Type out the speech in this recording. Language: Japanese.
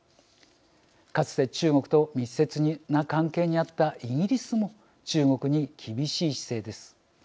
かつて中国と密接な関係にあったイギリスも中国に厳しい姿勢です。